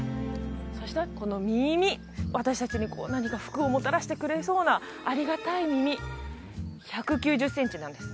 そしてこの耳私達にこう何か福をもたらしてくれそうなありがたい耳１９０センチなんです